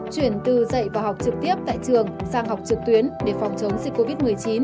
chuyển từ dạy và học trực tiếp tại trường sang học trực tuyến để phòng chống dịch covid một mươi chín